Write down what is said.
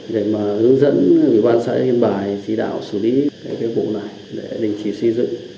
để mà hướng dẫn ủy ban xã yên bài chỉ đạo xử lý cái vụ này để đình chỉ xây dựng